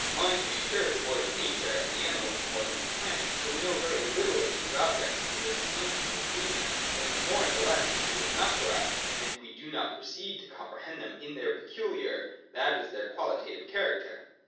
Mind to be sure is more than Nature and the animal is more than the plant : but we know very little of these objects and the distinction between them, if a more and less is enough for us, and if we do not proceed to com prehend them in their peculiar, that is their qualitative character.